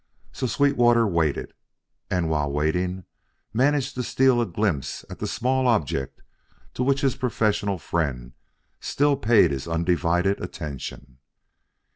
So Sweetwater waited, and while waiting managed to steal a glimpse at the small object to which his professional friend still paid his undivided attention.